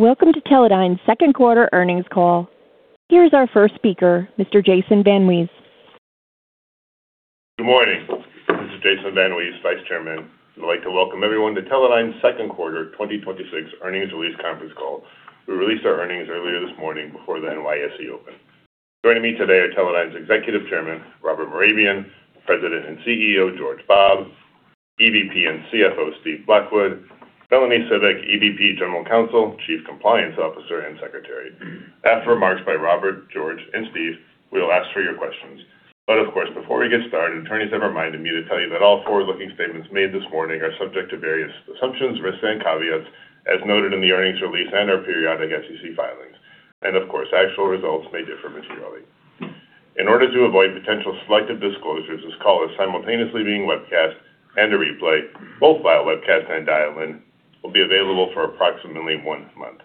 Welcome to Teledyne's Second Quarter Earnings Call. Here's our first speaker, Mr. Jason VanWees. Good morning. This is Jason VanWees, Vice Chairman. I'd like to welcome everyone to Teledyne's second quarter 2026 earnings release conference call. We released our earnings earlier this morning before the NYSE opened. Joining me today are Teledyne's Executive Chairman, Robert Mehrabian, President and CEO, George Bobb, EVP and CFO, Steve Blackwood, Melanie Cibik, EVP, General Counsel, Chief Compliance Officer, and Secretary. After remarks by Robert, George, and Steve, we'll ask for your questions. Of course, before we get started, attorneys have reminded me to tell you that all forward-looking statements made this morning are subject to various assumptions, risks, and caveats as noted in the earnings release and our periodic SEC filings. Of course, actual results may differ materially. In order to avoid potential selective disclosures, this call is simultaneously being webcast and a replay, both via webcast and dial-in, will be available for approximately one month.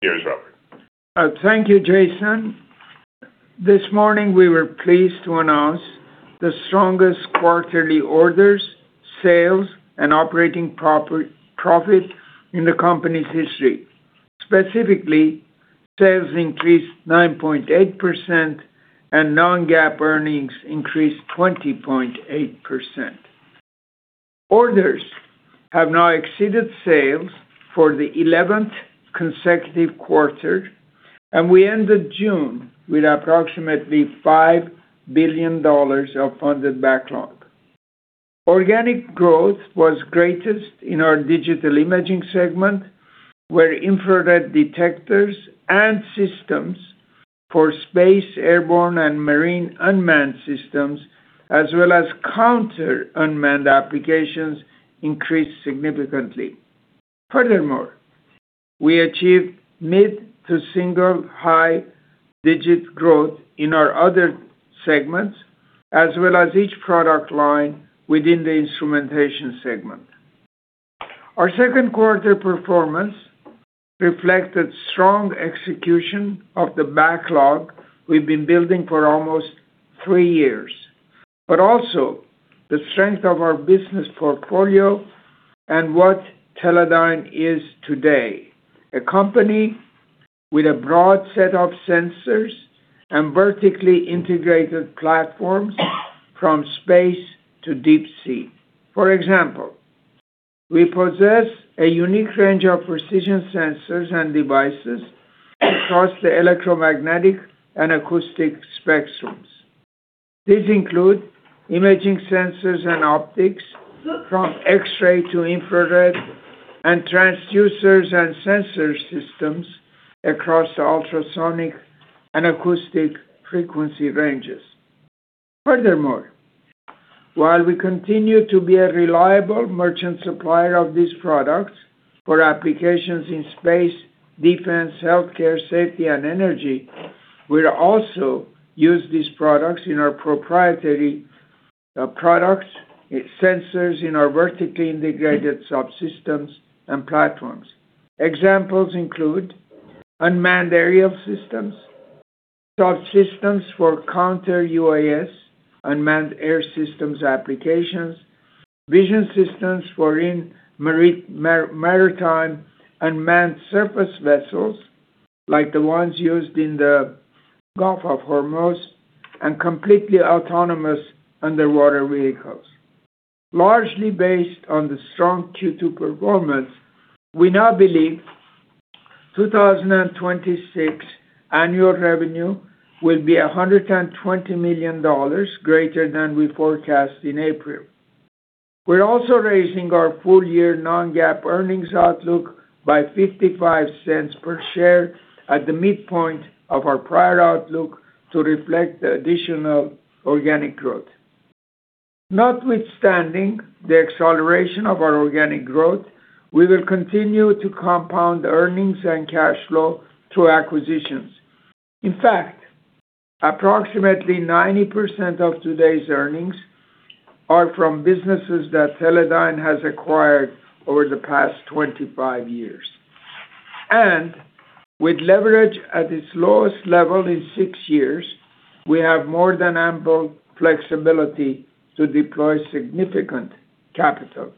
Here's Robert. Thank you, Jason. This morning, we were pleased to announce the strongest quarterly orders, sales, and operating profit in the company's history. Specifically, sales increased 9.8% and non-GAAP earnings increased 20.8%. Orders have now exceeded sales for the 11th consecutive quarter, and we ended June with approximately $5 billion of funded backlog. Organic growth was greatest in our Digital Imaging segment, where infrared detectors and systems for space, airborne, and marine unmanned systems, as well as counter-unmanned applications, increased significantly. Furthermore, we achieved mid to single high digit growth in our other segments, as well as each product line within the Instrumentation segment. Our second quarter performance reflected strong execution of the backlog we've been building for almost three years, also the strength of our business portfolio and what Teledyne is today, a company with a broad set of sensors and vertically integrated platforms from space to deep sea. For example, we possess a unique range of precision sensors and devices across the electromagnetic and acoustic spectrums. These include imaging sensors and optics from X-ray to infrared and transducers and sensor systems across the ultrasonic and acoustic frequency ranges. Furthermore, while we continue to be a reliable merchant supplier of these products for applications in space, defense, healthcare, safety, and energy, we'll also use these products in our proprietary products, sensors in our vertically integrated subsystems and platforms. Examples include unmanned aerial systems, subsystems for counter UAS, unmanned air systems applications, vision systems for in maritime unmanned surface vessels, like the ones used in the Strait of Hormuz, and completely autonomous underwater vehicles. Largely based on the strong Q2 performance, we now believe 2026 annual revenue will be $120 million greater than we forecast in April. We're also raising our full year non-GAAP earnings outlook by $0.55 per share at the midpoint of our prior outlook to reflect the additional organic growth. Notwithstanding the acceleration of our organic growth, we will continue to compound earnings and cash flow through acquisitions. In fact, approximately 90% of today's earnings are from businesses that Teledyne has acquired over the past 25 years. With leverage at its lowest level in six years, we have more than ample flexibility to deploy significant capital.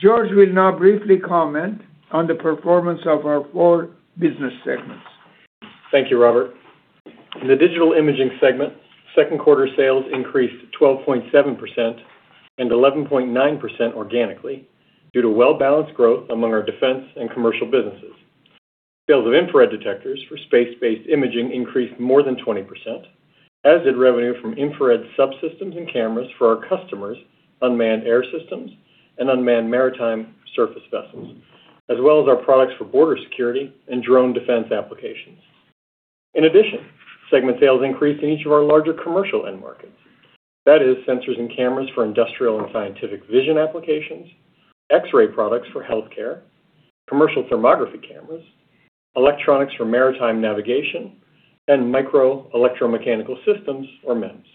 George will now briefly comment on the performance of our four business segments. Thank you, Robert. In the Digital Imaging segment, second quarter sales increased 12.7% and 11.9% organically due to well-balanced growth among our defense and commercial businesses. Sales of infrared detectors for space-based imaging increased more than 20%, as did revenue from infrared subsystems and cameras for our customers' unmanned air systems and unmanned maritime surface vessels, as well as our products for border security and drone defense applications. In addition, segment sales increased in each of our larger commercial end markets. That is sensors and cameras for industrial and scientific vision applications, X-ray products for healthcare, commercial thermography cameras, electronics for maritime navigation, and micro electromechanical systems or MEMS.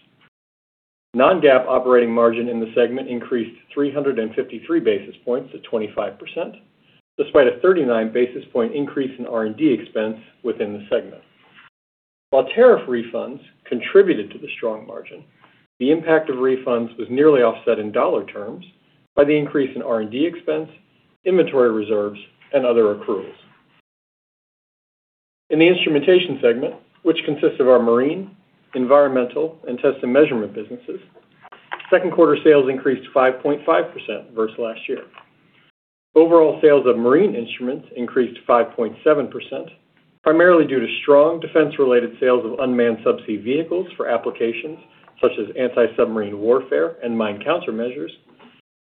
Non-GAAP operating margin in the segment increased 353 basis points to 25%, despite a 39 basis point increase in R&D expense within the segment. While tariff refunds contributed to the strong margin, the impact of refunds was nearly offset in dollar terms by the increase in R&D expense, inventory reserves, and other accruals. In the Instrumentation segment, which consists of our Marine, Environmental, and Test and Measurement businesses, second quarter sales increased 5.5% versus last year. Overall sales of marine instruments increased 5.7%, primarily due to strong defense-related sales of unmanned subsea vehicles for applications such as anti-submarine warfare and mine countermeasures,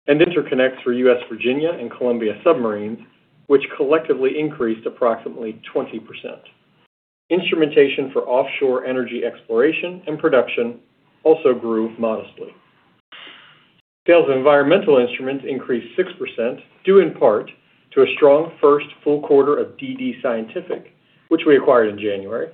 and interconnects for U.S. Virginia and Columbia submarines, which collectively increased approximately 20%. Instrumentation for offshore energy exploration and production also grew modestly. Sales of environmental instruments increased 6%, due in part to a strong first full quarter of DD-Scientific, which we acquired in January,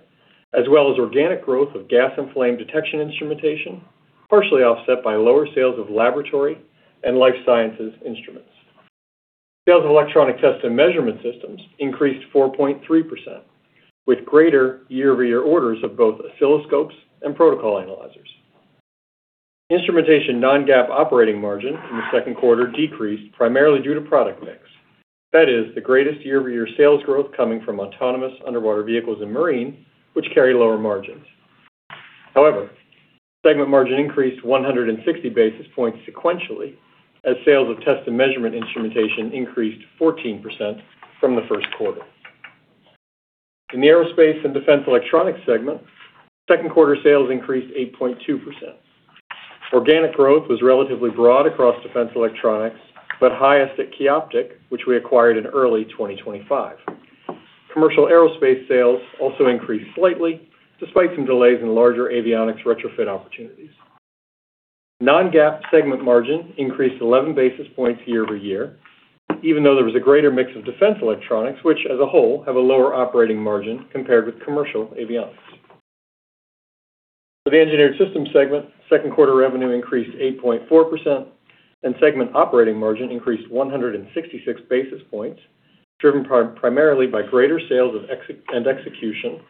as well as organic growth of gas and flame detection instrumentation, partially offset by lower sales of laboratory and life sciences instruments. Sales of electronic test and measurement systems increased 4.3%, with greater year-over-year orders of both oscilloscopes and protocol analyzers. Instrumentation non-GAAP operating margin in the second quarter decreased primarily due to product mix. That is the greatest year-over-year sales growth coming from autonomous underwater vehicles and marine, which carry lower margins. However, segment margin increased 160 basis points sequentially as sales of test and measurement instrumentation increased 14% from the first quarter. In the Aerospace and Defense Electronics segment, second quarter sales increased 8.2%. Organic growth was relatively broad across defense electronics, but highest at Qioptiq, which we acquired in early 2025. Commercial aerospace sales also increased slightly, despite some delays in larger avionics retrofit opportunities. Non-GAAP segment margin increased 11 basis points year-over-year, even though there was a greater mix of defense electronics, which as a whole have a lower operating margin compared with commercial avionics. For the Engineered Systems segment, second quarter revenue increased 8.4% and segment operating margin increased 166 basis points, driven primarily by greater sales and execution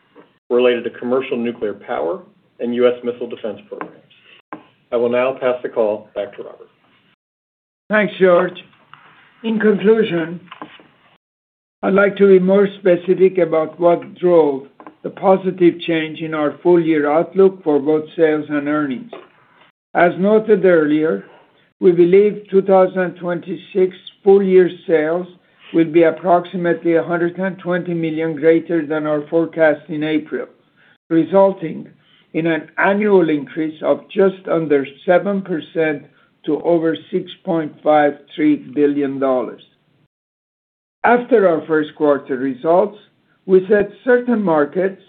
related to commercial nuclear power and U.S. missile defense programs. I will now pass the call back to Robert. Thanks, George. In conclusion, I'd like to be more specific about what drove the positive change in our full-year outlook for both sales and earnings. As noted earlier, we believe 2026 full-year sales will be approximately $120 million greater than our forecast in April, resulting in an annual increase of just under 7% to over $6.53 billion. After our first quarter results, we said certain markets,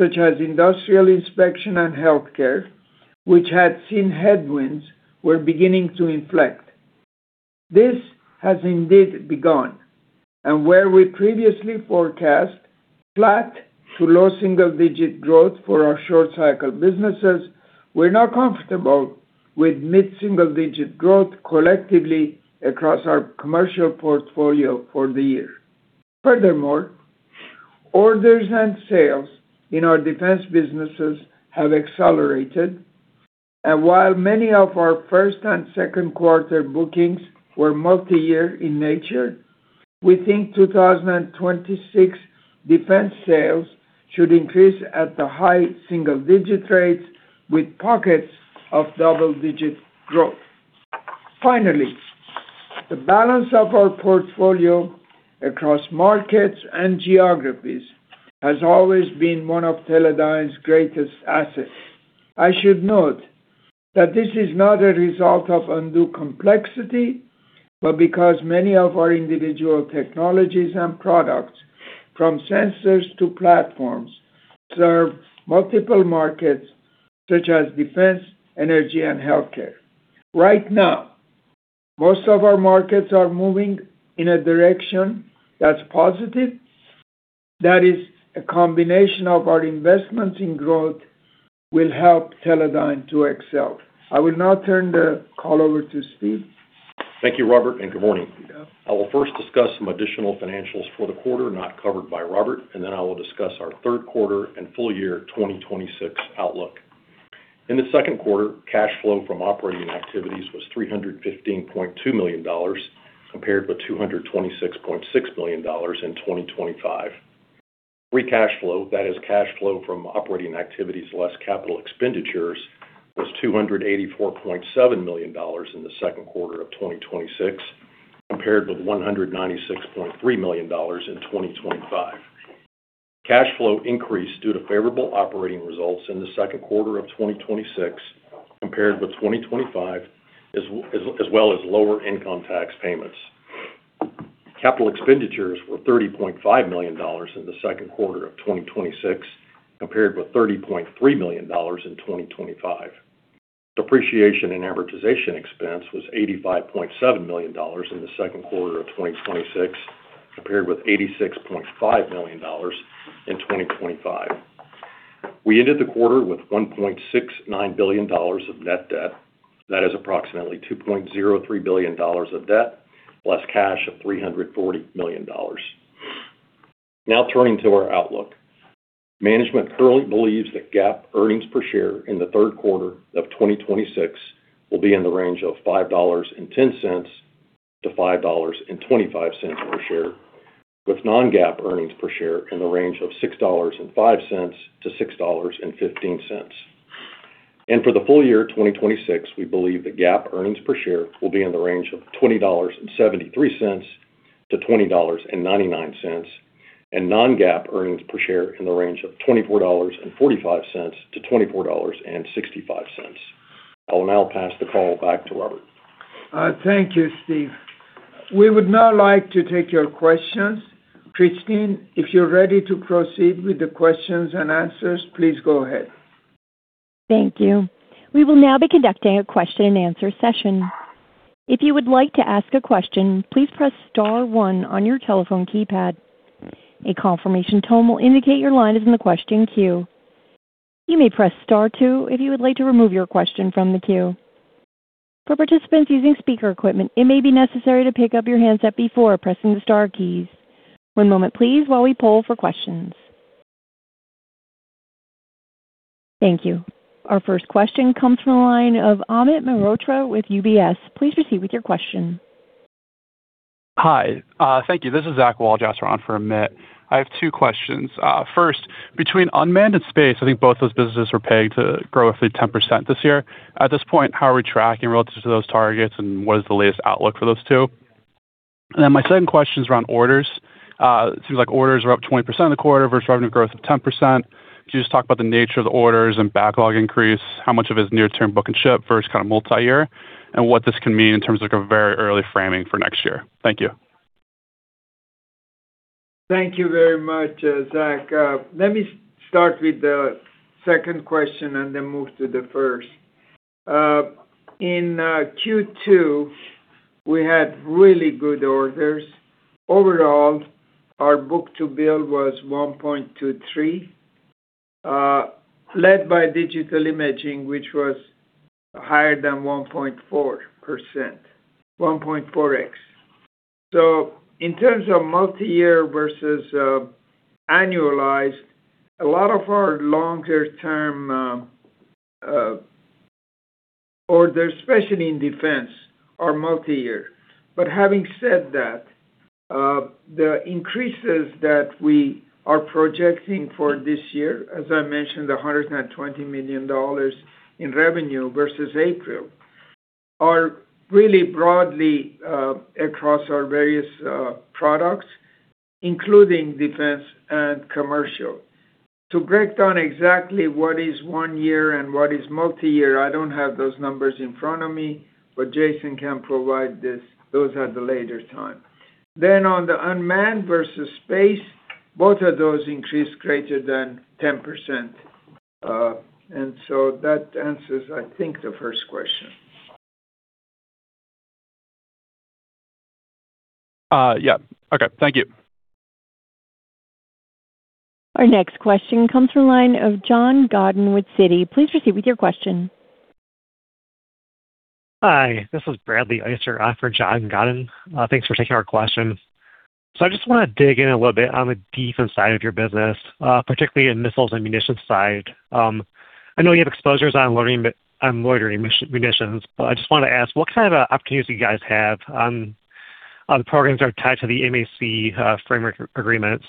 such as industrial inspection and healthcare, which had seen headwinds, were beginning to inflect. This has indeed begun. Where we previously forecast flat to low single-digit growth for our short-cycle businesses, we're now comfortable with mid-single-digit growth collectively across our commercial portfolio for the year. Furthermore, orders and sales in our defense businesses have accelerated. While many of our first and second quarter bookings were multi-year in nature, we think 2026 defense sales should increase at the high single-digit rates with pockets of double-digit growth. Finally, the balance of our portfolio across markets and geographies has always been one of Teledyne's greatest assets. I should note that this is not a result of undue complexity, but because many of our individual technologies and products, from sensors to platforms, serve multiple markets such as defense, energy, and healthcare. Right now, most of our markets are moving in a direction that's positive. That is a combination of our investments in growth will help Teledyne to excel. I will now turn the call over to Steve. Thank you, Robert, and good morning. I will first discuss some additional financials for the quarter not covered by Robert, then I will discuss our third quarter and full year 2026 outlook. In the second quarter, cash flow from operating activities was $315.2 million, compared with $226.6 million in 2025. Free cash flow, that is cash flow from operating activities less capital expenditures, was $284.7 million in the second quarter of 2026, compared with $196.3 million in 2025. Cash flow increased due to favorable operating results in the second quarter of 2026 compared with 2025, as well as lower income tax payments. Capital expenditures were $30.5 million in the second quarter of 2026, compared with $30.3 million in 2025. Depreciation and amortization expense was $85.7 million in the second quarter of 2026, compared with $86.5 million in 2025. We ended the quarter with $1.69 billion of net debt. That is approximately $2.03 billion of debt less cash of $340 million. Turning to our outlook. Management currently believes that GAAP earnings per share in the third quarter of 2026 will be in the range of $5.10-$5.25 per share, with non-GAAP earnings per share in the range of $6.05-$6.15. For the full year 2026, we believe that GAAP earnings per share will be in the range of $20.73-$20.99, and non-GAAP earnings per share in the range of $24.45-$24.65. I will now pass the call back to Robert. Thank you, Steve. We would now like to take your questions. Christine, if you're ready to proceed with the questions and answers, please go ahead. Thank you. We will now be conducting a question and answer session. If you would like to ask a question, please press star one on your telephone keypad. A confirmation tone will indicate your line is in the question queue. You may press star two if you would like to remove your question from the queue. For participants using speaker equipment, it may be necessary to pick up your handset before pressing the star keys. One moment please while we poll for questions. Thank you. Our first question comes from the line of Amit Mehrotra with UBS. Please proceed with your question. Hi. Thank you. This is Zach Walljasper on for Amit. I have two questions. First, between unmanned and space, I think both those businesses were pegged to grow through 10% this year. At this point, how are we tracking relative to those targets, and what is the latest outlook for those two? My second question is around orders. It seems like orders are up 20% of the quarter versus revenue growth of 10%. Could you just talk about the nature of the orders and backlog increase, how much of it is near-term book and ship versus multi-year, and what this can mean in terms of a very early framing for next year? Thank you. Thank you very much, Zach. Let me start with the second question and then move to the first. In Q2, we had really good orders. Overall, our book-to-bill was 1.23x, led by Digital Imaging, which was higher than 1.4x. In terms of multi-year versus annualized, a lot of our longer-term orders, especially in defense, are multi-year. Having said that, the increases that we are projecting for this year, as I mentioned, the $120 million in revenue versus April, are really broadly across our various products, including defense and commercial. To break down exactly what is one year and what is multi-year, I don't have those numbers in front of me, but Jason can provide those at the later time. On the unmanned versus space, both of those increased greater than 10%. That answers, I think, the first question. Yeah. Okay. Thank you. Our next question comes from the line of John Godyn with Citi. Please proceed with your question. Hi, this is Bradley Eyster on for John Godyn. Thanks for taking our question. I just want to dig in a little bit on the defense side of your business, particularly in missiles and munition side. I know you have exposures on loitering munitions, but I just wanted to ask, what kind of opportunities do you guys have on the programs that are tied to the MAC framework agreements?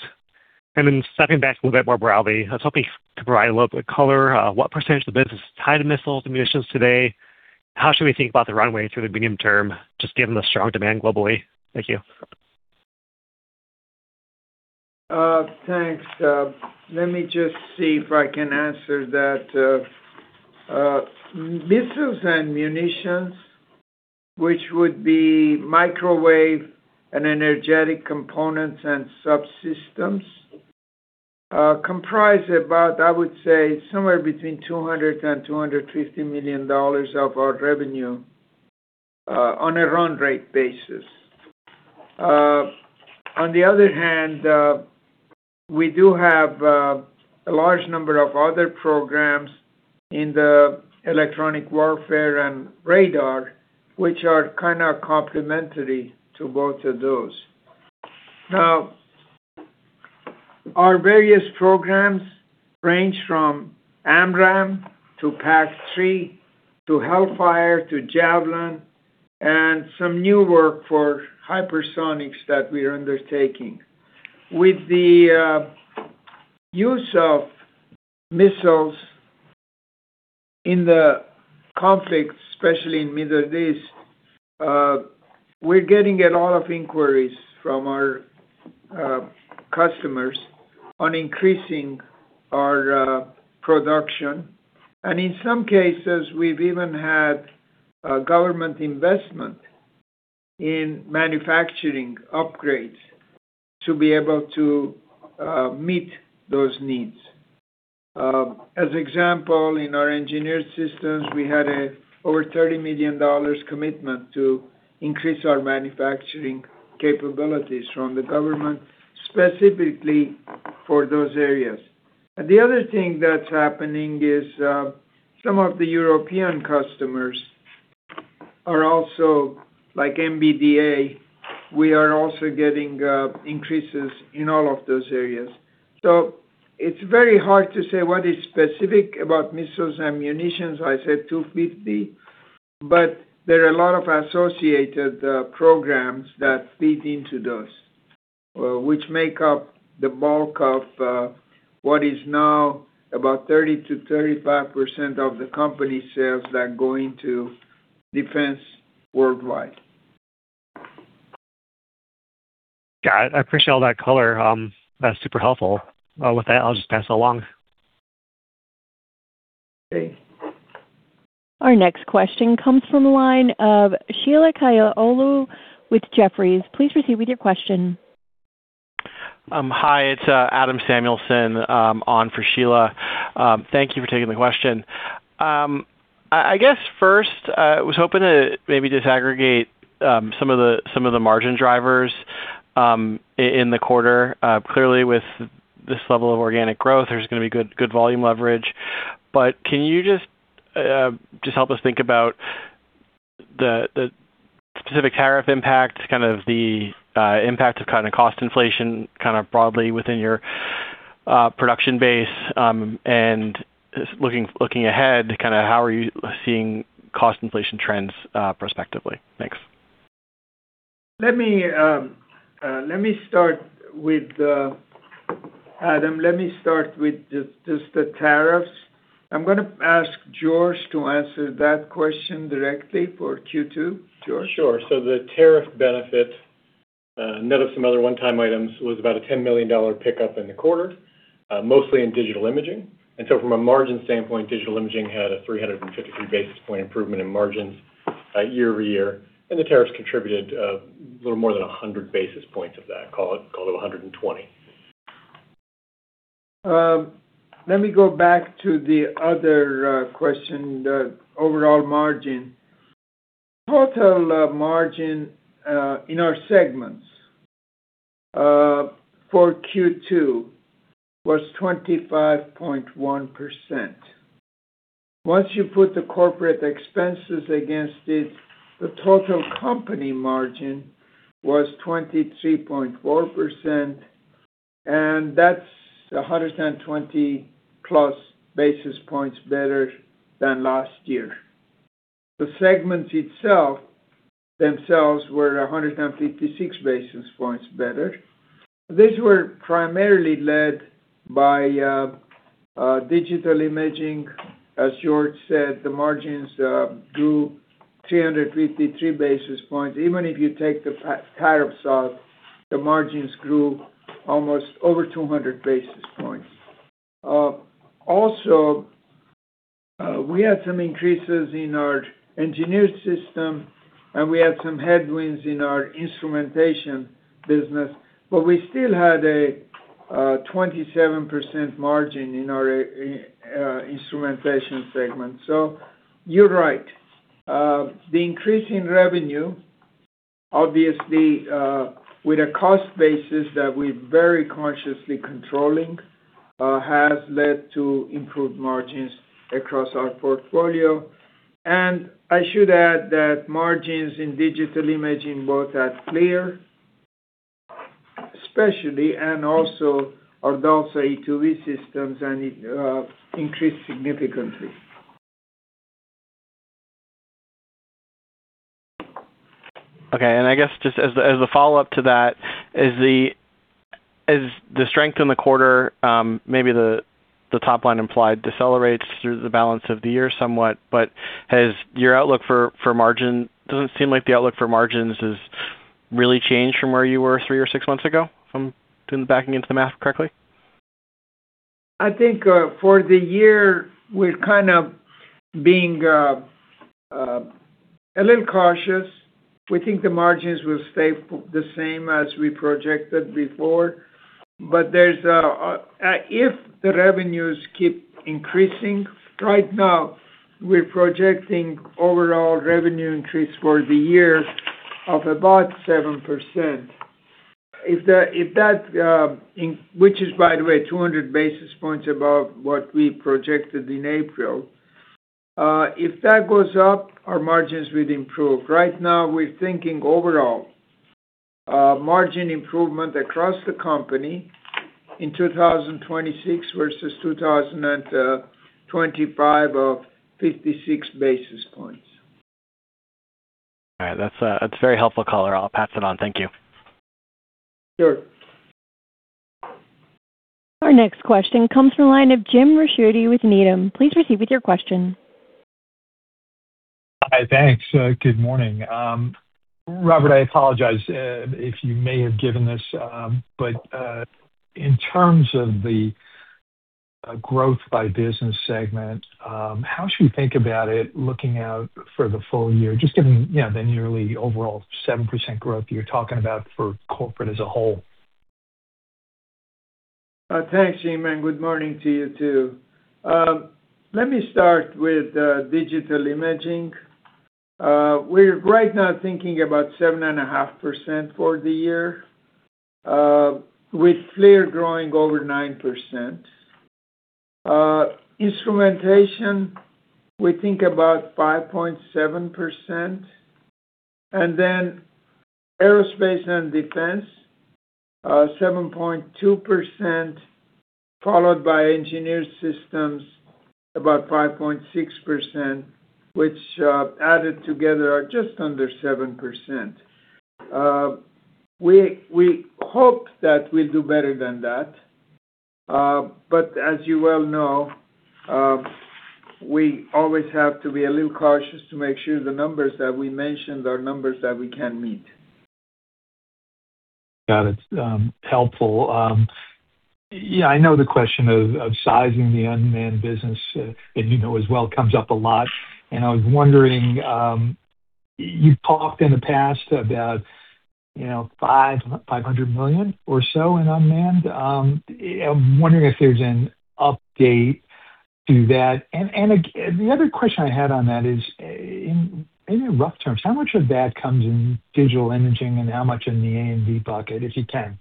Stepping back a little bit more broadly, I was hoping to provide a little bit of color, what percentage of the business is tied to missiles and munitions today? How should we think about the runway through the medium term, just given the strong demand globally? Thank you. Thanks. Let me just see if I can answer that. Missiles and munitions, which would be microwave and energetic components and subsystems, comprise about, I would say, somewhere between $200 million and $250 million of our revenue on a run rate basis. On the other hand, we do have a large number of other programs in the electronic warfare and radar, which are kind of complementary to both of those. Now, our various programs range from AMRAAM to PAC-3 to Hellfire to Javelin, and some new work for hypersonics that we are undertaking. With the use of missiles in the conflict, especially in Middle East, we're getting a lot of inquiries from our customers on increasing our production. In some cases, we've even had government investment in manufacturing upgrades to be able to meet those needs. As example, in our Engineered Systems, we had over $30 million commitment to increase our manufacturing capabilities from the government, specifically for those areas. The other thing that's happening is some of the European customers are also, like MBDA, we are also getting increases in all of those areas. It's very hard to say what is specific about missiles and munitions. I said 250, but there are a lot of associated programs that feed into those, which make up the bulk of what is now about 30%-35% of the company's sales that go into defense worldwide. Got it. I appreciate all that color. That's super helpful. With that, I'll just pass it along. Okay. Our next question comes from the line of Sheila Kahyaoglu with Jefferies. Please proceed with your question. Hi, it's Adam Samuelson on for Sheila. Thank you for taking the question. I guess first, I was hoping to maybe disaggregate some of the margin drivers in the quarter. Clearly, with this level of organic growth, there's going to be good volume leverage. Can you just help us think about the specific tariff impact, kind of the impact of kind of cost inflation, kind of broadly within your production base, and looking ahead, kind of how are you seeing cost inflation trends prospectively? Thanks. Let me start with, Adam, just the tariffs. I'm going to ask George to answer that question directly for Q2. George? Sure. The tariff benefit, net of some other one-time items, was about a $10 million pickup in the quarter, mostly in Digital Imaging. From a margin standpoint, Digital Imaging had a 353 basis point improvement in margins year-over-year, and the tariffs contributed a little more than 100 basis points of that, call it 120. Let me go back to the other question, the overall margin. Total margin, in our segments, for Q2 was 25.1%. Once you put the corporate expenses against it, the total company margin was 23.4%, and that's 120+ basis points better than last year. The segments themselves were 156 basis points better. These were primarily led by Digital Imaging. As George said, the margins grew 353 basis points. Even if you take the tariffs out, the margins grew almost over 200 basis points. Also, we had some increases in our Engineered Systems, and we had some headwinds in our Instrumentation business, but we still had a 27% margin in our Instrumentation segment. You're right. The increase in revenue, obviously, with a cost basis that we're very consciously controlling, has led to improved margins across our portfolio. I should add that margins in Digital Imaging both at FLIR, especially, and also our DALSA e2v systems increased significantly. Okay. I guess just as a follow-up to that, as the strength in the quarter, maybe the top line implied decelerates through the balance of the year somewhat, but has your outlook for margins? Does it seem like the outlook for margins has really changed from where you were three or six months ago, if I'm backing into the math correctly? I think, for the year, we're kind of being a little cautious. We think the margins will stay the same as we projected before. If the revenues keep increasing, right now, we're projecting overall revenue increase for the year of about 7%. Which is, by the way, 200 basis points above what we projected in April. If that goes up, our margins will improve. Right now, we're thinking overall margin improvement across the company in 2026 versus 2025 of 56 basis points. That's very helpful color. I'll pass it on. Thank you. Sure. Our next question comes from the line of Jim Ricchiuti with Needham. Please proceed with your question. Hi, thanks. Good morning. Robert, I apologize if you may have given this, but in terms of the growth by business segment, how should we think about it looking out for the full year? Just given the nearly overall 7% growth you're talking about for corporate as a whole. Thanks, Jim, and good morning to you, too. Let me start with Digital Imaging. We're right now thinking about 7.5% for the year, with FLIR growing over 9%. Instrumentation, we think about 5.7%. Aerospace & Defense, 7.2%, followed by Engineered Systems, about 5.6%, which added together are just under 7%. We hope that we'll do better than that. As you well know, we always have to be a little cautious to make sure the numbers that we mentioned are numbers that we can meet. Got it. Helpful. I know the question of sizing the unmanned business, and you know as well, it comes up a lot. I was wondering, you have talked in the past about $500 million or so in unmanned. I am wondering if there is an update to that. The other question I had on that is, in rough terms, how much of that comes in Digital Imaging and how much in the A&D bucket, if you can?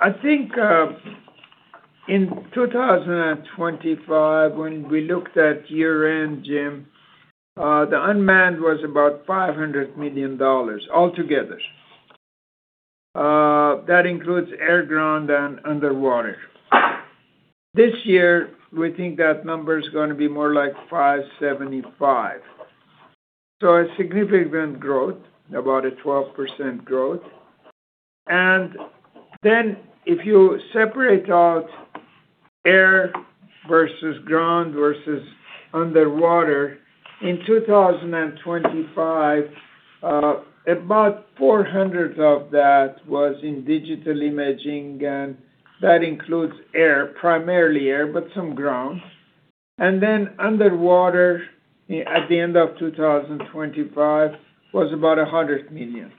I think, in 2025, when we looked at year-end, Jim, the unmanned was about $500 million altogether. That includes air, ground, and underwater. This year, we think that number is going to be more like $575 million. A significant growth, about a 12% growth. If you separate out air versus ground versus underwater, in 2025, about $400 million of that was in Digital Imaging, and that includes air, primarily air, but some ground. Underwater, at the end of 2025, was about $100 million.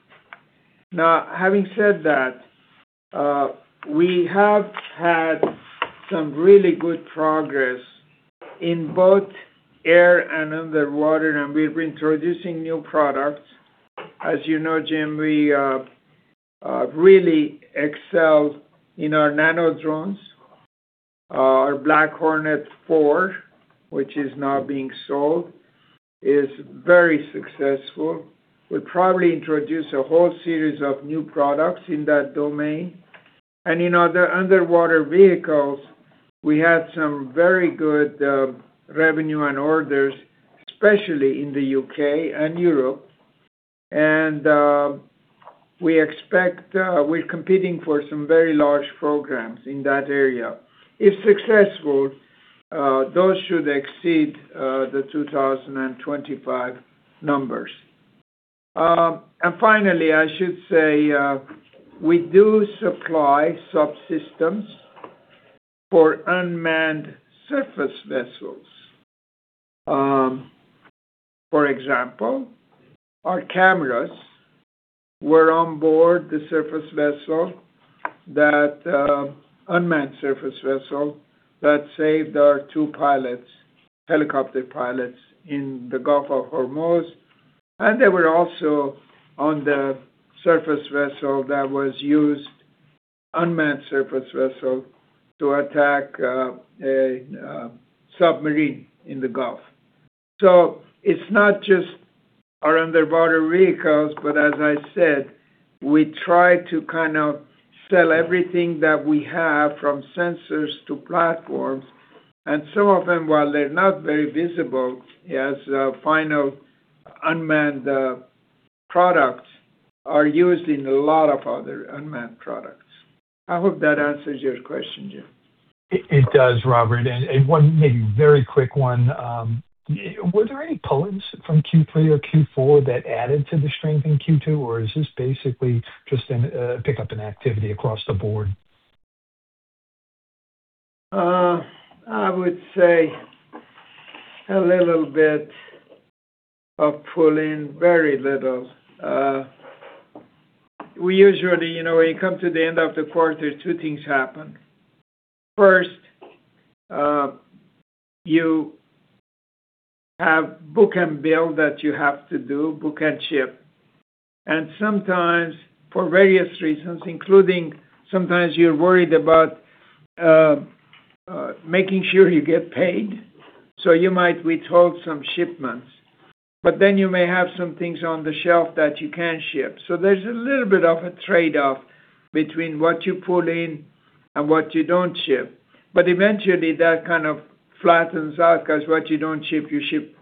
Having said that, we have had some really good progress in both air and underwater, and we are introducing new products. As you know, Jim, we really excel in our nano drones. Our Black Hornet 4, which is now being sold, is very successful. We will probably introduce a whole series of new products in that domain. In other underwater vehicles, we had some very good revenue and orders, especially in the U.K. and Europe. We are competing for some very large programs in that area. If successful, those should exceed the 2025 numbers. Finally, I should say, we do supply subsystems for unmanned surface vessels. For example, our cameras were on board the unmanned surface vessel that saved our two helicopter pilots in the Strait of Hormuz. They were also on the unmanned surface vessel that was used to attack a submarine in the Gulf. It is not just our underwater vehicles, but as I said, we try to sell everything that we have, from sensors to platforms. Some of them, while they are not very visible as final unmanned products, are used in a lot of other unmanned products. I hope that answers your question, Jim. It does, Robert. One maybe very quick one. Were there any pull-ins from Q3 or Q4 that added to the strength in Q2, or is this basically just a pick-up in activity across the board? I would say a little bit of pull-in, very little. When you come to the end of the quarter, two things happen. First, you have book and bill that you have to do, book and ship. Sometimes, for various reasons, including sometimes you're worried about making sure you get paid, so you might withhold some shipments. You may have some things on the shelf that you can ship. There's a little bit of a trade-off between what you pull in and what you don't ship. Eventually, that kind of flattens out because what you don't ship, you ship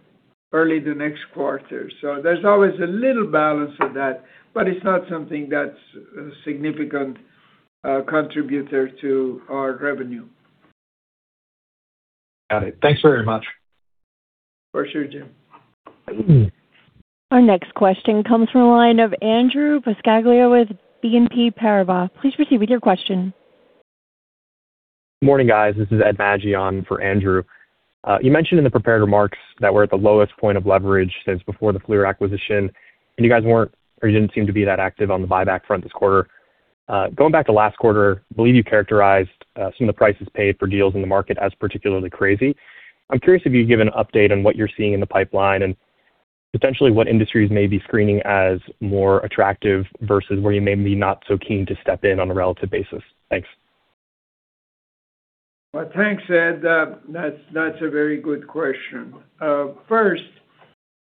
early the next quarter. There's always a little balance of that, but it's not something that's a significant contributor to our revenue. Got it. Thanks very much. For sure, Jim. Our next question comes from the line of Andrew Buscaglia with BNP Paribas. Please proceed with your question. Morning, guys. This is Ed Magi on for Andrew. You mentioned in the prepared remarks that we're at the lowest point of leverage since before the FLIR acquisition. You guys didn't seem to be that active on the buyback front this quarter. Going back to last quarter, I believe you characterized some of the prices paid for deals in the market as particularly crazy. I'm curious if you'd give an update on what you're seeing in the pipeline and potentially what industries may be screening as more attractive versus where you may be not so keen to step in on a relative basis. Thanks. Well, thanks, Ed. That's a very good question. First,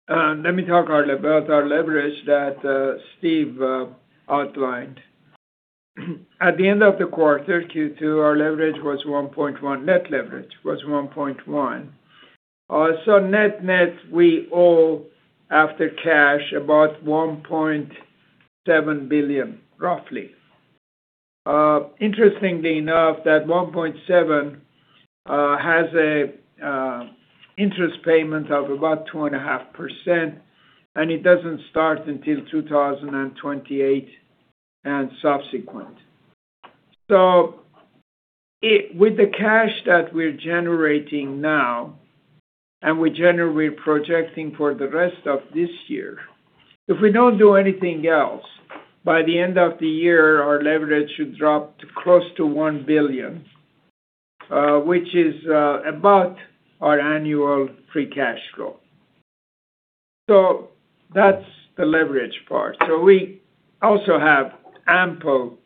let me talk about our leverage that Steve outlined. At the end of the quarter, Q2, our leverage was 1.1x. Net leverage was 1.1x. Net-net, we owe, after cash, about $1.7 billion, roughly. Interestingly enough, that $1.7 billion has an interest payment of about 2.5%. It doesn't start until 2028 and subsequent. With the cash that we're generating now, we're projecting for the rest of this year, if we don't do anything else, by the end of the year, our leverage should drop to close to $1 billion, which is about our annual free cash flow. That's the leverage part. We also have ample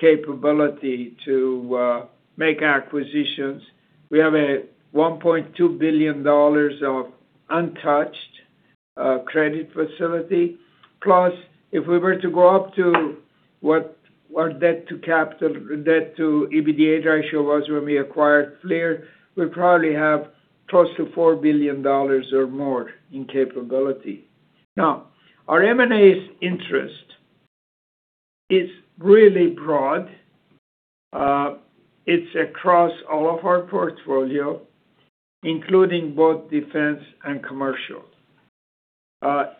capability to make acquisitions. We have a $1.2 billion of untouched credit facility. Plus, if we were to go up to what our debt to capital, debt to EBITDA ratio was when we acquired FLIR, we'd probably have close to $4 billion or more in capability. Our M&A's interest is really broad. It's across all of our portfolio, including both defense and commercial.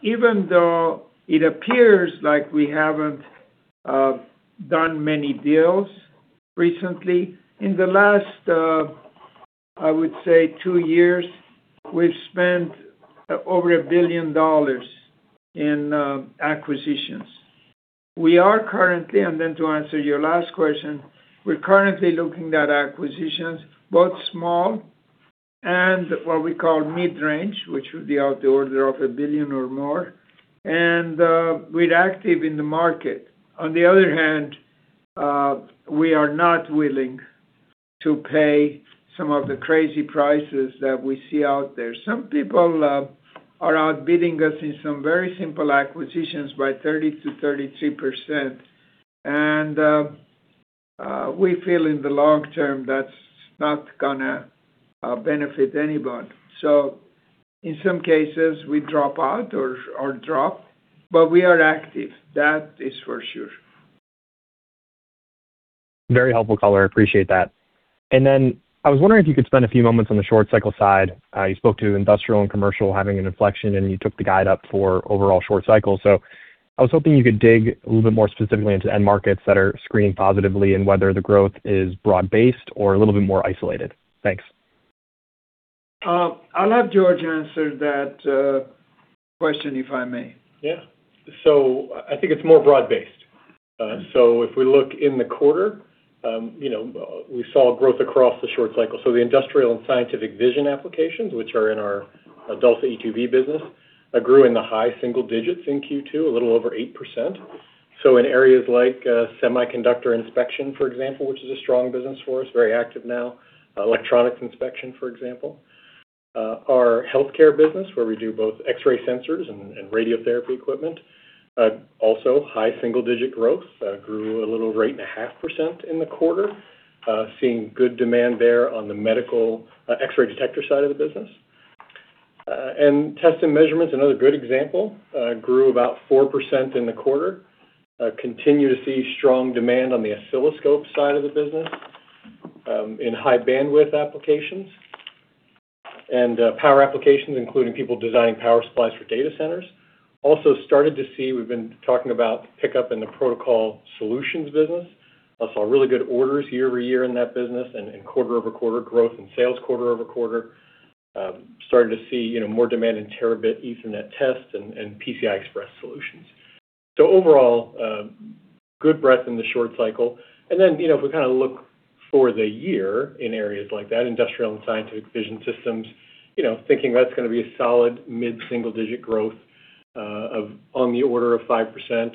Even though it appears like we haven't done many deals recently, in the last, I would say two years, we've spent over $1 billion in acquisitions. We are currently, then to answer your last question, we're currently looking at acquisitions, both small and what we call mid-range, which would be out the order of $1 billion or more. We're active in the market. On the other hand, we are not willing to pay some of the crazy prices that we see out there. Some people are outbidding us in some very simple acquisitions by 30%-33%. We feel in the long term, that's not gonna benefit anybody. In some cases, we drop out or drop. We are active. That is for sure. Very helpful color. I appreciate that. I was wondering if you could spend a few moments on the short cycle side. You spoke to industrial and commercial having an inflection, and you took the guide up for overall short cycle. I was hoping you could dig a little bit more specifically into end markets that are screening positively and whether the growth is broad-based or a little bit more isolated. Thanks. I'll have George answer that question if I may. I think it's more broad-based. If we look in the quarter, we saw growth across the short cycle. The industrial and scientific vision applications, which are in our DALSA e2v business grew in the high single digits in Q2, a little over 8%. In areas like semiconductor inspection, for example, which is a strong business for us, very active now. Electronics inspection, for example. Our healthcare business, where we do both X-ray sensors and radiotherapy equipment, also high single-digit growth. Grew a little over 8.5% in the quarter. Seeing good demand there on the medical X-ray detector side of the business. Test and measurement's another good example. Grew about 4% in the quarter. Continue to see strong demand on the oscilloscope side of the business, in high bandwidth applications and power applications, including people designing power supplies for data centers. Also started to see, we've been talking about pickup in the protocol solutions business. I saw really good orders year-over-year in that business and quarter-over-quarter growth and sales quarter-over-quarter. Starting to see more demand in terabit Ethernet tests and PCI Express solutions. Overall, good breadth in the short cycle. If we look for the year in areas like that, industrial and scientific vision systems, thinking that's gonna be a solid mid-single-digit growth of on the order of 5%.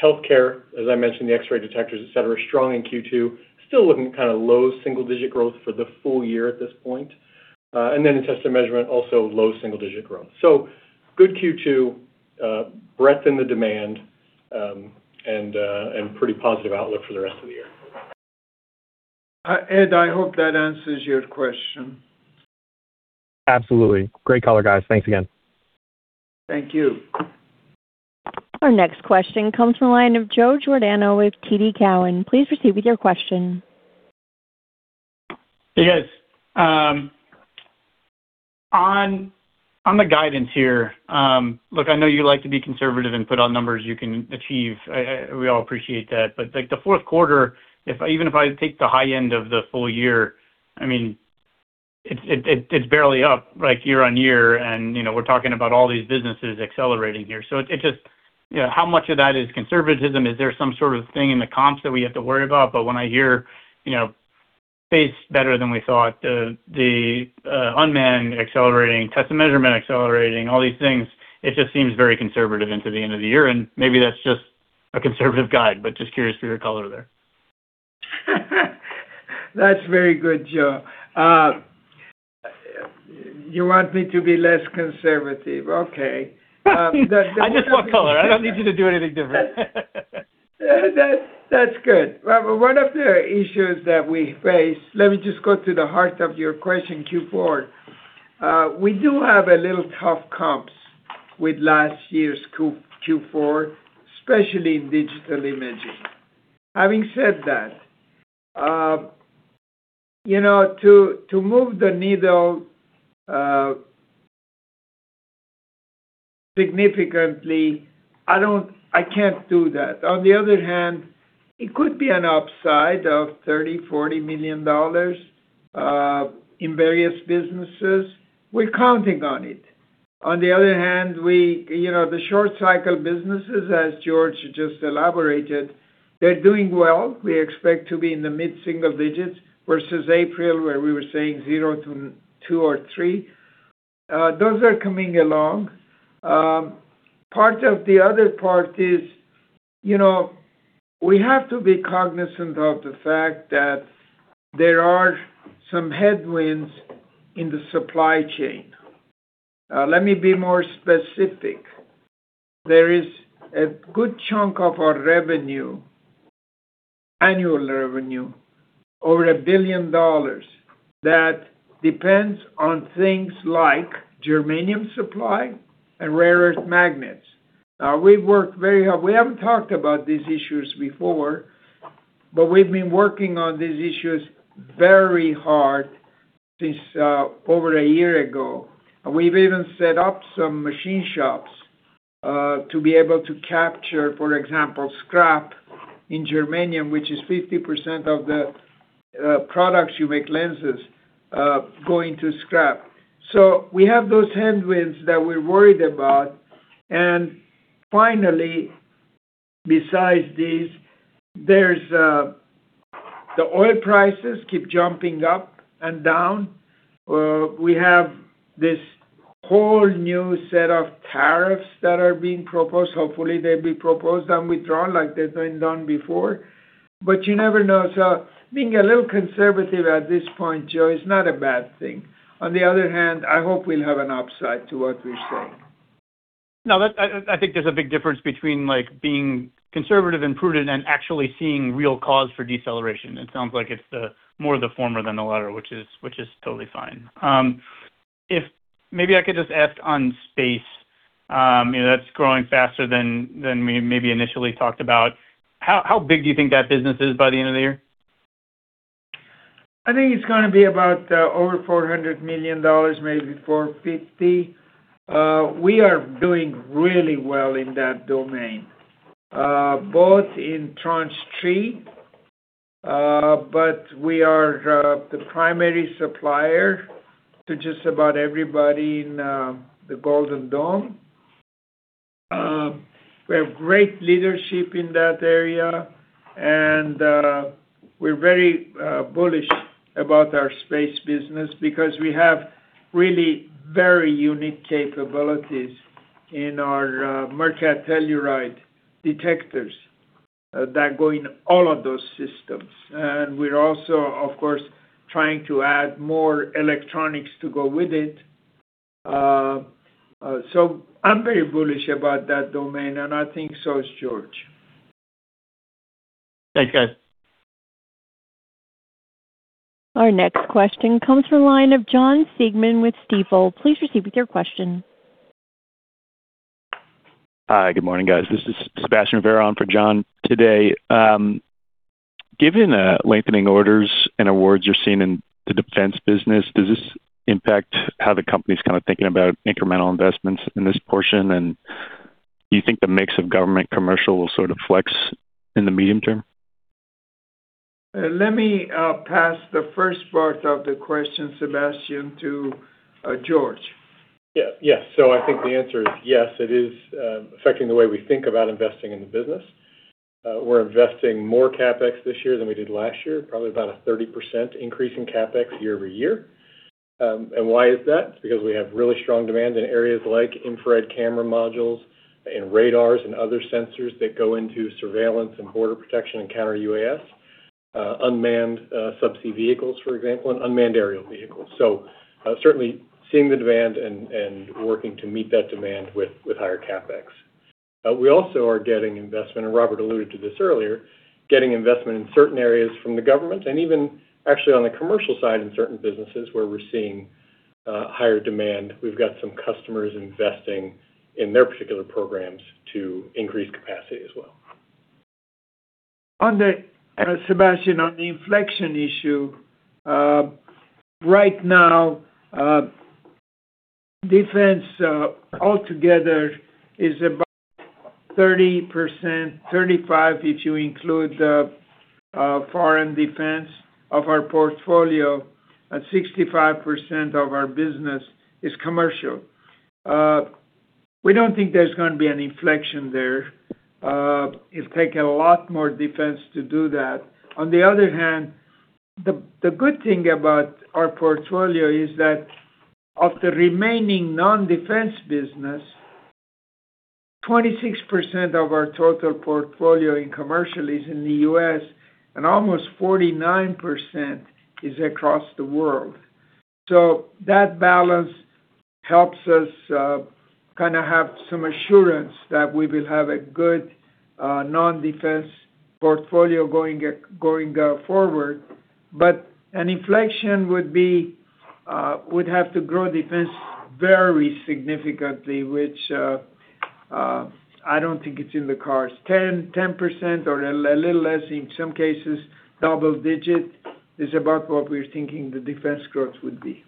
Healthcare, as I mentioned, the X-ray detectors, et cetera, strong in Q2. Still looking kind of low single-digit growth for the full year at this point. In test and measurement, also low single-digit growth. Good Q2, breadth in the demand, and pretty positive outlook for the rest of the year. Ed, I hope that answers your question. Absolutely. Great color, guys. Thanks again. Thank you. Our next question comes from the line of Joe Giordano with TD Cowen. Please proceed with your question. Hey, guys. The fourth quarter, even if I take the high end of the full year, I mean, it is barely up year-over-year, we are talking about all these businesses accelerating here. How much of that is conservatism? Is there some sort of thing in the comps that we have to worry about? When I hear, space better than we thought, the unmanned accelerating, test and measurement accelerating, all these things, it just seems very conservative into the end of the year, and maybe that is just a conservative guide, just curious for your color there. That is very good, Joe. You want me to be less conservative? Okay. I just want color. I do not need you to do anything different. That is good. Well, one of the issues that we face, let me just go to the heart of your question, Q4. We do have a little tough comps with last year's Q4, especially in Digital Imaging. Having said that, to move the needle significantly, I cannot do that. On the other hand, it could be an upside of $30 million, $40 million in various businesses. We are counting on it. On the other hand, the short-cycle businesses, as George just elaborated, they are doing well. We expect to be in the mid-single digits, versus April, where we were saying zero to two or three. Those are coming along. Part of the other part is, we have to be cognizant of the fact that there are some headwinds in the supply chain. Let me be more specific. There is a good chunk of our revenue, annual revenue, over $1 billion, that depends on things like germanium supply and rare earth magnets. We haven't talked about these issues before, but we've been working on these issues very hard since over a year ago. We've even set up some machine shops to be able to capture, for example, scrap in germanium, which is 50% of the products you make lenses, going to scrap. We have those headwinds that we're worried about. Finally, besides these, the oil prices keep jumping up and down. We have this whole new set of tariffs that are being proposed. Hopefully, they'll be proposed and withdrawn like they've been done before, but you never know. Being a little conservative at this point, Joe, is not a bad thing. On the other hand, I hope we'll have an upside to what we're saying. No, I think there's a big difference between being conservative and prudent and actually seeing real cause for deceleration. It sounds like it's more the former than the latter, which is totally fine. If maybe I could just ask on space, that's growing faster than we maybe initially talked about. How big do you think that business is by the end of the year? I think it's going to be about over $400 million, maybe $450 million. We are doing really well in that domain, both in Tranche 3, but we are the primary supplier to just about everybody in the Golden Dome. We have great leadership in that area, and we're very bullish about our space business because we have really very unique capabilities in our mercury cadmium telluride detectors that go in all of those systems. We're also, of course, trying to add more electronics to go with it. I'm very bullish about that domain, and I think so is George. Thanks, guys. Our next question comes from line of John Siegmann with Stifel. Please proceed with your question. Hi, good morning, guys. This is Sebastian Rivera on for John today. Given the lengthening orders and awards you're seeing in the defense business, does this impact how the company's kind of thinking about incremental investments in this portion? Do you think the mix of government commercial will sort of flex in the medium term? Let me pass the first part of the question, Sebastian, to George. Yeah. I think the answer is yes, it is affecting the way we think about investing in the business. We're investing more CapEx this year than we did last year, probably about a 30% increase in CapEx year-over-year. Why is that? It's because we have really strong demand in areas like infrared camera modules and radars and other sensors that go into surveillance and border protection and counter-UAS, unmanned sub-sea vehicles, for example, and unmanned aerial vehicles. Certainly seeing the demand and working to meet that demand with higher CapEx. We also are getting investment, and Robert alluded to this earlier, getting investment in certain areas from the government, and even actually on the commercial side in certain businesses where we're seeing higher demand. We've got some customers investing in their particular programs to increase capacity as well. Sebastian, on the inflection issue, right now Defense altogether is about 30%, 35% if you include the foreign defense of our portfolio, and 65% of our business is commercial. We don't think there's going to be an inflection there. It'll take a lot more defense to do that. On the other hand, the good thing about our portfolio is that of the remaining non-defense business, 26% of our total portfolio in commercial is in the U.S., and almost 49% is across the world. That balance helps us have some assurance that we will have a good non-defense portfolio going forward. An inflection would have to grow defense very significantly, which I don't think it's in the cards. 10% or a little less, in some cases double-digit, is about what we're thinking the defense growth would be.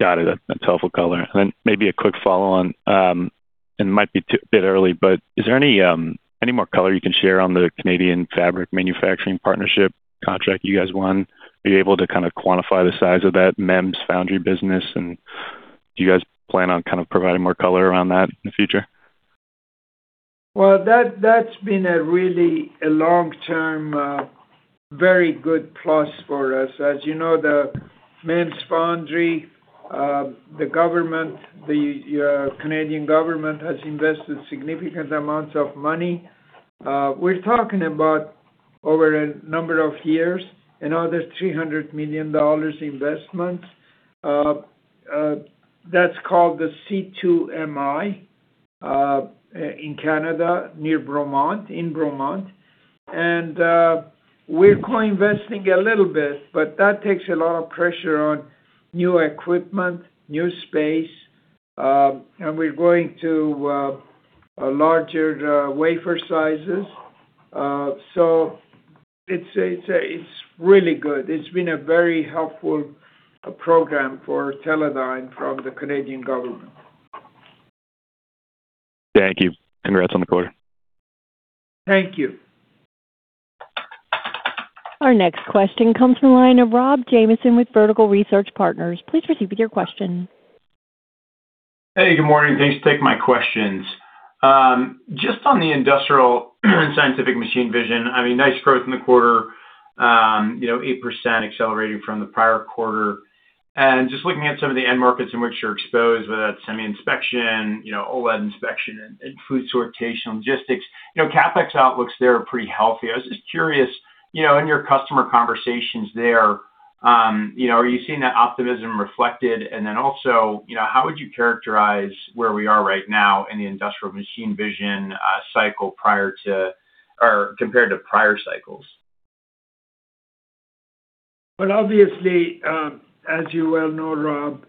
Got it. That's helpful color. Maybe a quick follow-on, it might be a bit early, but is there any more color you can share on the Canadian fabric manufacturing partnership contract you guys won? Were you able to quantify the size of that MEMS foundry business, and do you guys plan on providing more color around that in the future? Well, that's been a really long-term, very good plus for us. As you know, the MEMS foundry, the Canadian government has invested significant amounts of money. We're talking about over a number of years, another $300 million investment. That's called the C2MI, in Canada, near Bromont, in Bromont. We're co-investing a little bit, but that takes a lot of pressure on new equipment, new space, and we're going to larger wafer sizes. It's really good. It's been a very helpful program for Teledyne from the Canadian government. Thank you. Congrats on the quarter. Thank you. Our next question comes from the line of Rob Jamieson with Vertical Research Partners. Please proceed with your question. Hey, good morning. Thanks for taking my questions. Just on the industrial scientific machine vision, nice growth in the quarter, 8% accelerating from the prior quarter. Just looking at some of the end markets in which you're exposed, whether that's semi inspection, OLED inspection, and food sortation, logistics, CapEx outlooks there are pretty healthy. I was just curious, in your customer conversations there, are you seeing that optimism reflected? Then also, how would you characterize where we are right now in the industrial machine vision cycle compared to prior cycles? Well, obviously, as you well know, Rob,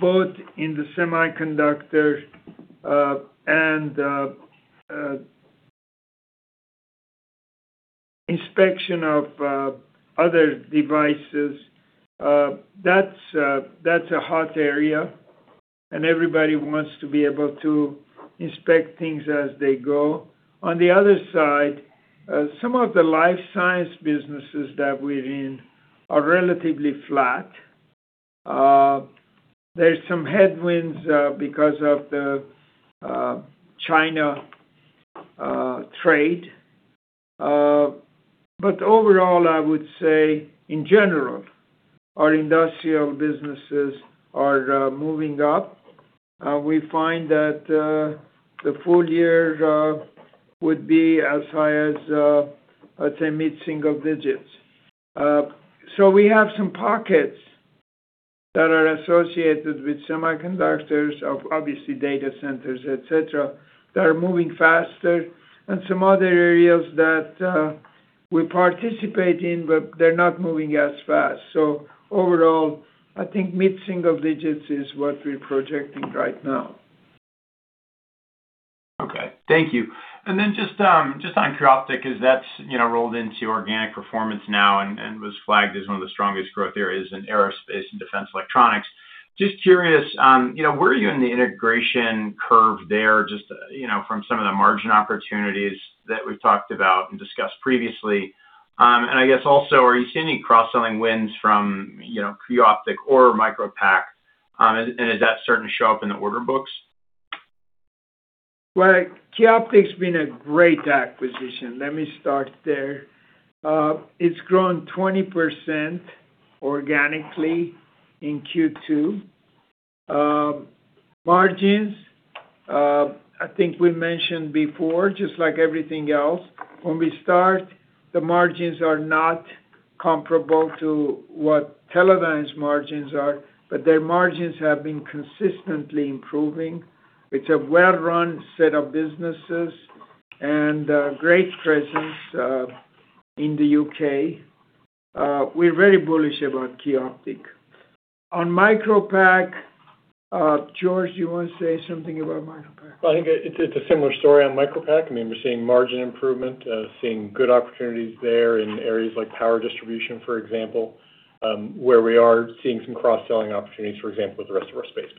both in the semiconductors and inspection of other devices, that's a hot area, and everybody wants to be able to inspect things as they go. On the other side, some of the life science businesses that we're in are relatively flat. There's some headwinds because of the China trade. Overall, I would say, in general, our industrial businesses are moving up. We find that the full year would be as high as, let's say, mid-single digits. We have some pockets that are associated with semiconductors of obviously data centers, et cetera, that are moving faster and some other areas that we participate in, but they're not moving as fast. Overall, I think mid-single digits is what we're projecting right now. Okay. Thank you. Just on Qioptiq, as that's rolled into organic performance now and was flagged as one of the strongest growth areas in Aerospace and Defense Electronics. Just curious, where are you in the integration curve there, just from some of the margin opportunities that we've talked about and discussed previously? I guess also, are you seeing any cross-selling wins from Qioptiq or Micropac, and is that starting to show up in the order books? Well, Qioptiq's been a great acquisition. Let me start there. It's grown 20% organically in Q2. Margins, I think we mentioned before, just like everything else, when we start, the margins are not comparable to what Teledyne's margins are, but their margins have been consistently improving. It's a well-run set of businesses and a great presence in the U.K. We're very bullish about Qioptiq. On Micropac, George, do you want to say something about Micropac? I think it's a similar story on Micropac. We're seeing margin improvement, seeing good opportunities there in areas like power distribution, for example, where we are seeing some cross-selling opportunities, for example, with the rest of our space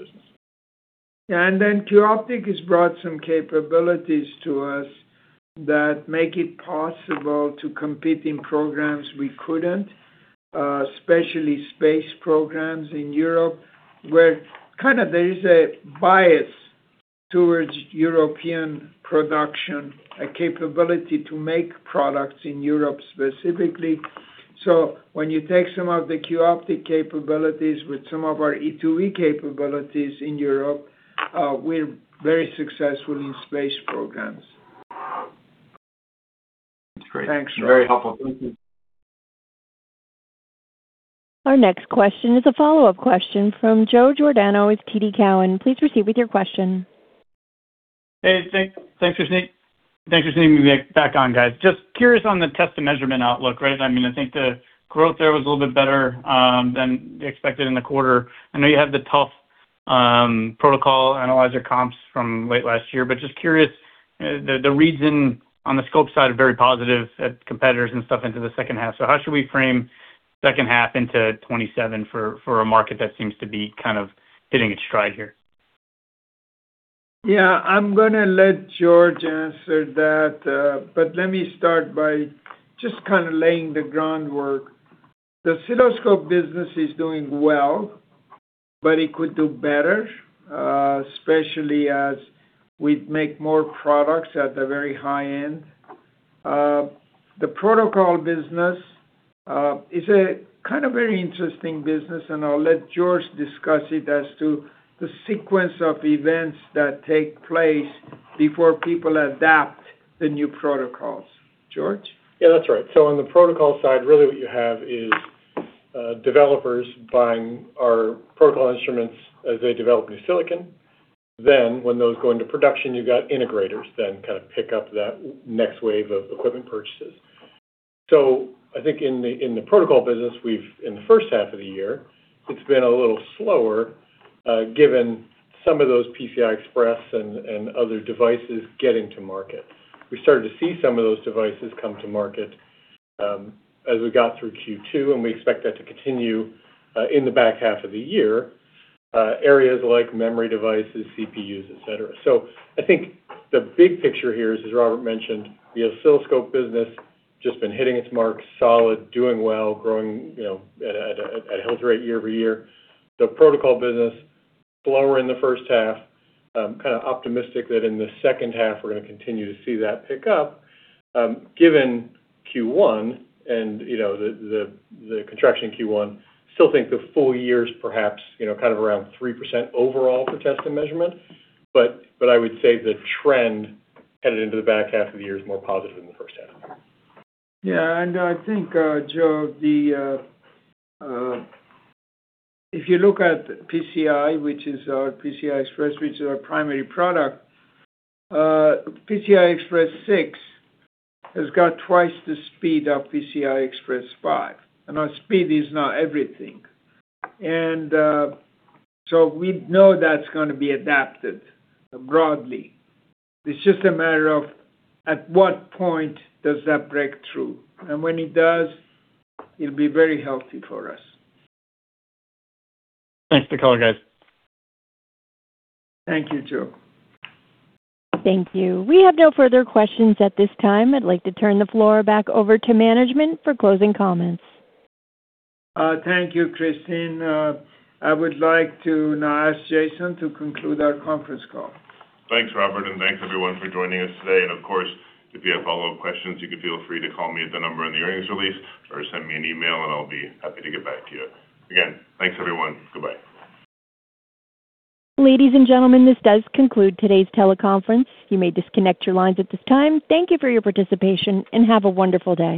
business. Yeah. Qioptiq has brought some capabilities to us that make it possible to compete in programs we couldn't, especially space programs in Europe, where kind of there is a bias towards European production, a capability to make products in Europe specifically. When you take some of the Qioptiq capabilities with some of our e2v capabilities in Europe, we're very successful in space programs. Thanks, George. That's great. Very helpful. Our next question is a follow-up question from Joe Giordano with TD Cowen. Please proceed with your question. Hey, thanks for seeing me back on, guys. Curious on the test and measurement outlook. I think the growth there was a little bit better than expected in the quarter. I know you have the tough protocol analyzer comps from late last year, but curious, the reason on the scope side are very positive at competitors and stuff into the second half. How should we frame second half into 2027 for a market that seems to be kind of hitting its stride here? Yeah, I'm gonna let George answer that, but let me start by just kind of laying the groundwork. The oscilloscope business is doing well, but it could do better, especially as we make more products at the very high end. The protocol business is a kind of very interesting business, and I'll let George discuss it as to the sequence of events that take place before people adapt the new protocols. George? Yeah, that's right. On the protocol side, really what you have is developers buying our protocol instruments as they develop new silicon. When those go into production, you've got integrators, then kind of pick up that next wave of equipment purchases. I think in the protocol business, in the first half of the year, it's been a little slower, given some of those PCI Express and other devices getting to market. We started to see some of those devices come to market, as we got through Q2, and we expect that to continue in the back half of the year. Areas like memory devices, CPUs, et cetera. I think the big picture here is, as Robert mentioned, the oscilloscope business just been hitting its marks solid, doing well, growing at a healthy rate year-over-year. The protocol business, slower in the first half. I'm kind of optimistic that in the second half, we're going to continue to see that pick up. Given Q1 and the contraction in Q1, still think the full year is perhaps kind of around 3% overall for test and measurement. I would say the trend headed into the back half of the year is more positive than the first half. Yeah. I think, Joe, if you look at PCI Express, which is our primary product, PCI Express 6.0 has got twice the speed of PCI Express 5.0. Speed is not everything. We know that's going to be adapted broadly. It's just a matter of at what point does that break through. When it does, it'll be very healthy for us. Thanks for the color, guys. Thank you, Joe. Thank you. We have no further questions at this time. I'd like to turn the floor back over to management for closing comments. Thank you, Christine. I would like to now ask Jason to conclude our conference call. Thanks, Robert, and thanks everyone for joining us today. Of course, if you have follow-up questions, you can feel free to call me at the number on the earnings release or send me an email and I'll be happy to get back to you. Again, thanks everyone. Goodbye. Ladies and gentlemen, this does conclude today's teleconference. You may disconnect your lines at this time. Thank you for your participation, and have a wonderful day.